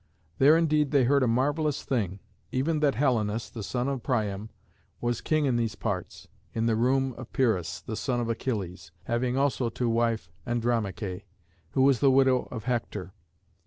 There indeed they heard a marvellous thing, even that Helenus, the son of Priam, was king in these parts, in the room of Pyrrhus, the son of Achilles, having also to wife Andromaché, who was the widow of Hector.